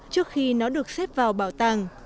trước khi nó được xếp vào bảo tàng